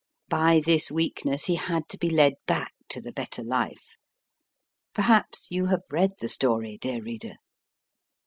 By this weakness he had to be led back to the better life. Perhaps you have read the story, dear reader.